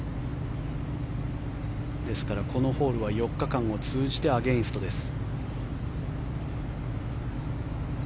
ですから、このホールは４日間を通じてアゲンストです。